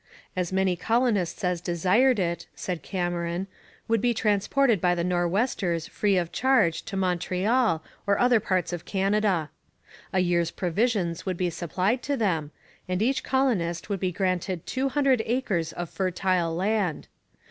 As many colonists as desired it, said Cameron, would be transported by the Nor'westers free of charge to Montreal or other parts of Canada. A year's provisions would be supplied to them, and each colonist would be granted two hundred acres of fertile land.